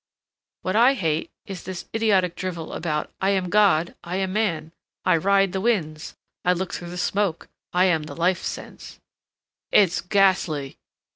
"What I hate is this idiotic drivel about 'I am God—I am man—I ride the winds—I look through the smoke—I am the life sense.'" "It's ghastly!"